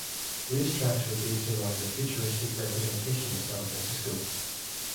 Race tracks are based around a futuristic representation of San Francisco.